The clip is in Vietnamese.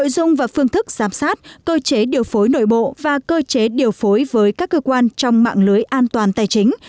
giám sát cơ chế điều phối nội bộ và cơ chế điều phối với các cơ quan trong mạng lưới an toàn tài chính